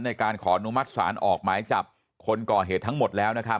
ในการขออนุมัติศาลออกหมายจับคนก่อเหตุทั้งหมดแล้วนะครับ